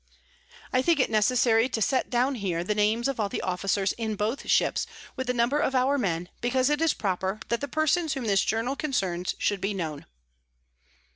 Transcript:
I think it necessary to set down here the Names of all the Officers in both Ships, with the Number of our Men; because it is proper, that the Persons whom this Journal concerns, should be known.